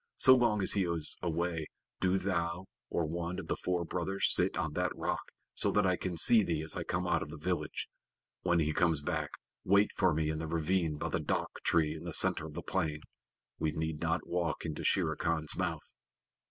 "So long as he is away do thou or one of the four brothers sit on that rock, so that I can see thee as I come out of the village. When he comes back wait for me in the ravine by the dhak tree in the center of the plain. We need not walk into Shere Khan's mouth."